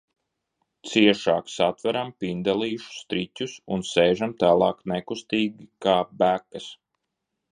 Ciešāk satveram pindelīšu striķus un sēžam tālāk nekustīgi kā bekas.